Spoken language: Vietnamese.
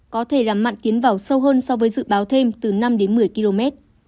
có thể làm mặn tiến vào sâu hơn so với dự báo thêm từ năm đến một mươi km